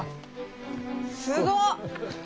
すごっ！